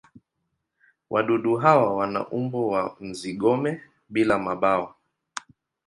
Wadudu hawa wana umbo wa nzi-gome bila mabawa.